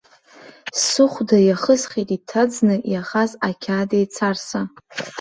Сыхәда иахысхит иҭаӡны иахаз ақьаад еицарса.